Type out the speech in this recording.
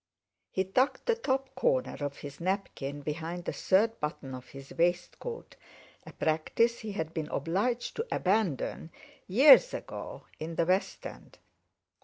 He tucked the top corner of his napkin behind the third button of his waistcoat, a practice he had been obliged to abandon years ago in the West End.